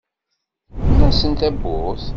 Mel-asent tawwurt.